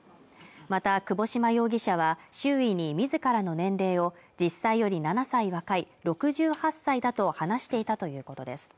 また窪島容疑者は周囲に自らの年齢を１０歳より７歳若い６８歳だと話していたということです